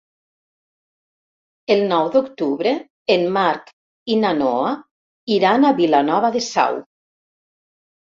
El nou d'octubre en Marc i na Noa iran a Vilanova de Sau.